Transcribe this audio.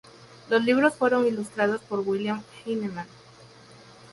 Los libros fueron ilustrados por William Heinemann.